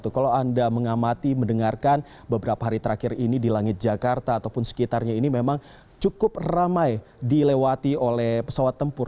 kalau anda mengamati mendengarkan beberapa hari terakhir ini di langit jakarta ataupun sekitarnya ini memang cukup ramai dilewati oleh pesawat tempur